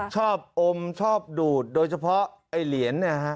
ชอบอมชอบดูดโดยเฉพาะไอ้เหรียญ